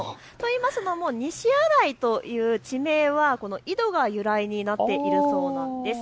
西新井という地名はこの井戸が由来になっているそうなんです。